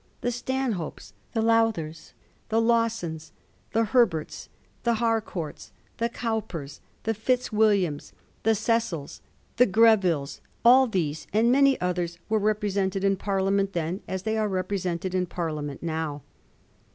The Stanhopes, the Lowthers, the Lawsons, the Herberts, the Harcourts, the Cowpers, the Fitzwilliams, the Cecils, the Grevilles ; all these, and many others, were represented in Parliament then as they are represented in Parliament now.